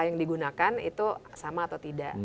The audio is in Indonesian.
yang digunakan itu sama atau tidak